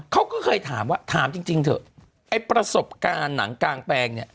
เขาก็เคยถามว่าถามจริงเถอะไอ้ประสบการณ์หนังกางแปลงเนี่ย